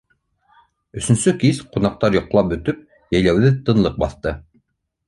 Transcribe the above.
Өсөнсө кис, ҡунаҡтар йоҡлап бөтөп, йәйләүҙе тынлыҡ баҫты.